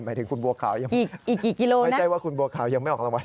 หมายถึงคุณบัวขาวยังอีกกี่กิโลไม่ใช่ว่าคุณบัวขาวยังไม่ออกรางวัล